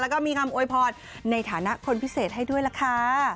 แล้วก็มีคำอวยพรในฐานะคนพิเศษให้ด้วยล่ะค่ะ